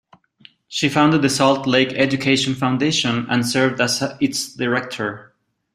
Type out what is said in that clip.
She founded the Salt Lake Education Foundation and served as its director.